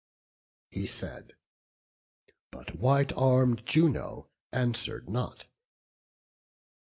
He said, but white arm'd Juno answer'd not.